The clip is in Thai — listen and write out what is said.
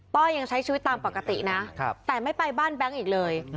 ก็ยังใช้ชีวิตตามปกตินะแต่ไม่ไปบ้านแบงค์อีกเลย